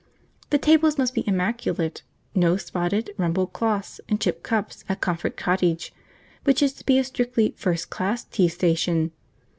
The tables must be immaculate; no spotted, rumpled cloths and chipped cups at Comfort Cottage, which is to be a strictly first class tea station.